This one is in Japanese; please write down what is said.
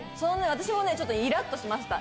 私もちょっとイラっとしました